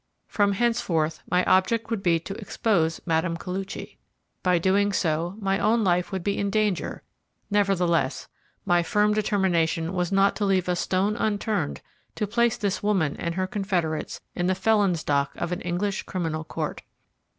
From henceforth my object would be to expose Mme. Koluchy. By so doing, my own life would be in danger; nevertheless, my firm determination was not to leave a stone unturned to place this woman and her confederates in the felon's dock of an English criminal court.